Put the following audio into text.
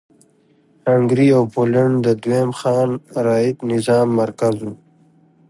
هنګري او پولنډ د دویم خان رعیت نظام مرکز و.